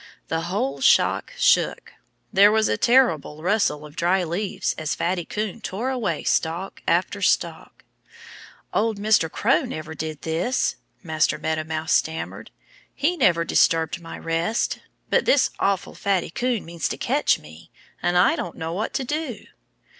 The whole shock shook. There was a terrible rustle of dry leaves as Fatty Coon tore away stalk after stalk. "Old Mr. Crow never did this!" Master Meadow Mouse stammered. "He never disturbed my rest. But this awful Fatty Coon means to catch me. And I don't know what to do."